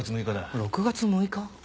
６月６日。